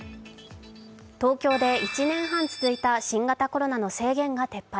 東京で１年半続いた新型コロナの制限が撤廃。